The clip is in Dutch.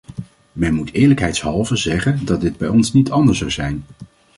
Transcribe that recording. Men moet eerlijkheidshalve zeggen dat dit bij ons niet anders zou zijn.